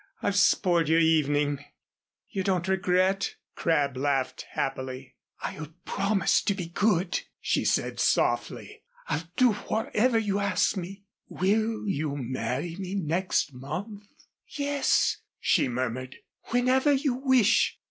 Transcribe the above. I've spoiled your evening. You don't regret?" Crabb laughed happily. "I'll promise to be good," she said, softly. "I'll do whatever you ask me " "Will you marry me next month?" "Yes," she murmured, "whenever you wish."